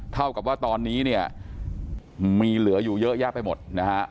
เท่ากับว่าตอนนี้เนี่ยมีเหลืออยู่เยอะแยะไปหมดนะฮะ